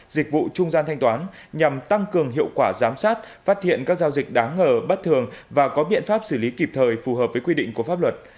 dịch vụ trung gian thanh toán nhằm tăng cường hiệu quả giám sát phát hiện các giao dịch đáng ngờ bất thường và có biện pháp xử lý kịp thời phù hợp với quy định của pháp luật